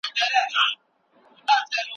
آیا ټولنه د یو ژوندي موجود په څیر ده؟